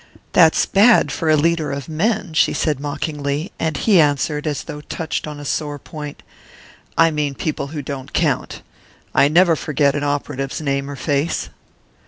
"That's bad, for a leader of men!" she said mockingly, and he answered, as though touched on a sore point: "I mean people who don't count. I never forget an operative's name or face."